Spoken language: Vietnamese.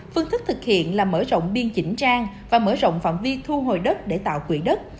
phương thức thực hiện là mở rộng biên chỉnh trang và mở rộng phạm vi thu hồi đất để tạo quỹ đất